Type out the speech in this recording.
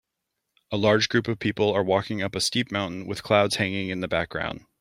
A large group of people are walking up a steep mountain with clouds hanging in the background.